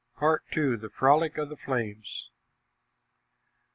PART II. THE FROLIC OF THE FLAMES.